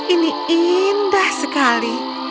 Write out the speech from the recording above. ini indah sekali